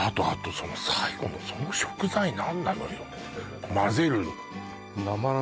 その最後のその食材何なのよ？